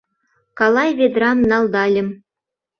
Калай ведрам налдальым.